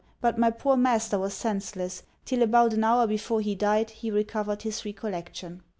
But my poor master was senseless; 'till about an hour before he died he recovered his recollection.